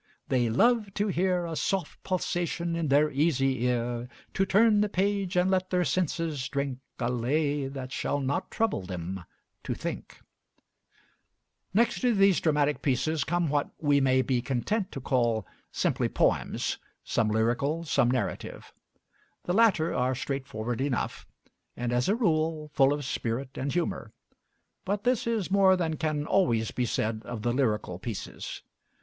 They "Love to hear A soft pulsation in their easy ear; To turn the page, and let their senses drink A lay that shall not trouble them to think." Next to these dramatic pieces come what we may be content to call simply poems: some lyrical, some narrative. The latter are straightforward enough, and as a rule full of spirit and humor; but this is more than can always be said of the lyrical pieces.